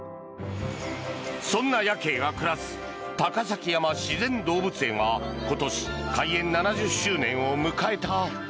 そんなヤケイが暮らす高崎山自然動物園は今年、開園７０周年を迎えた。